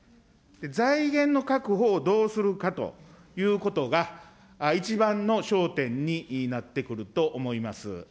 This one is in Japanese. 財源の確保をどうするかということが、一番の焦点になってくると思います。